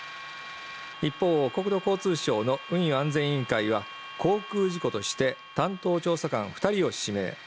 一方国土交通省の運輸安全委員会は航空事故として担当調査官二人を指名